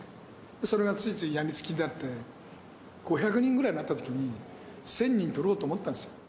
それがついつい病みつきになって、５００人ぐらいになったときに、１０００人撮ろうと思ったんですよ。